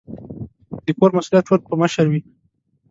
د کور مسؤلیت ټول په مشر وي